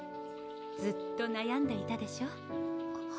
ずっとなやんでいたでしょう？